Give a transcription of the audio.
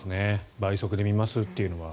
倍速で見ますというのは。